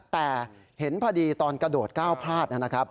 แต่เห็นพอดีตอนกระโดดก้าวพลาดนะครับ